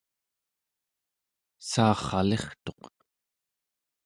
saarralirtuq